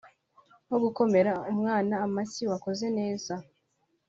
nko gukomera umwana amashyi wakoze neza